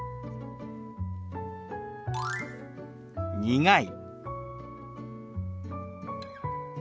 「苦い」。